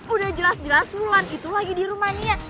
udah jelas jelas sulan itu lagi di rumahnya